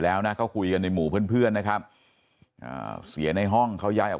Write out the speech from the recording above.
แล้วนะเขาคุยกันในหมู่เพื่อนนะครับเสียในห้องเขาย้ายออก